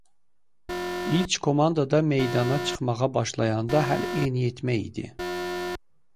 İlk komandada meydana çıxmağa başlayanda hələ yeniyetmə idi.